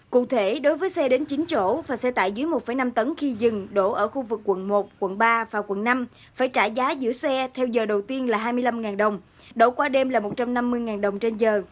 cụ thể đối với xe đến chín chỗ và xe tải dưới một năm tấn khi dừng đổ ở khu vực quận một quận ba và quận năm phải trả giá giữ xe theo giờ đầu tiên là hai mươi năm đồng đổ qua đêm là một trăm năm mươi đồng trên giờ